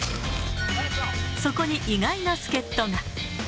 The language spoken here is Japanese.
そこに意外な助っ人が。